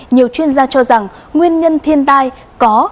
nhiều chuyên gia cho rằng nguyên nhân thiên tai có